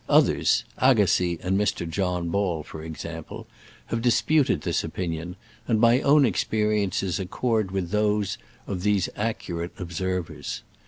Others — Agassiz and Mr. John Ball, for example — have dis puted this opinion, and my own experi ences accord with those of these accu ON THE MER DE GLACE. rate observers.